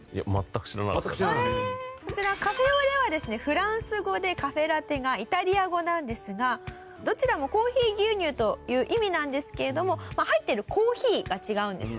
こちらカフェオレはですねフランス語でカフェラテがイタリア語なんですがどちらもコーヒー牛乳という意味なんですけれども入ってるコーヒーが違うんですね。